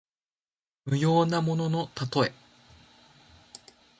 無用なもののたとえ。